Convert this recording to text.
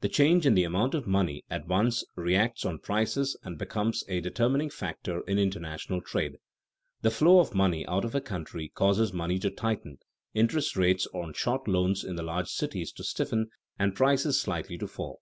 The change in the amount of money at once reacts on prices and becomes a determining factor in international trade. The flow of money out of a country causes money to tighten, interest rates on short loans in the large cities to stiffen, and prices slightly to fall.